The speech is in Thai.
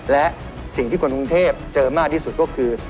และสิ่งที่คนกรุงเทพเจอมากที่สุดก็คือ